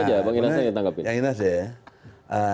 bang inas aja yang ditangkapin